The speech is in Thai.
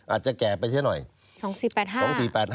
อาจจะแก่ไปใช่ไหม